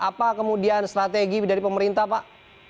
apa kemudian strategi dari pemerintah pak